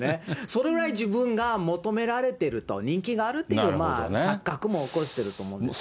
それぐらい自分が求められていると、人気があるっていう、錯覚も起こしてると思うんです。